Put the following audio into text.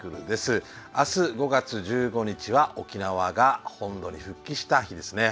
明日５月１５日は沖縄が本土に復帰した日ですね。